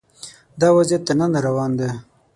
دا وضعیت تر ننه روان دی